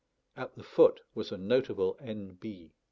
At the foot was a notable N.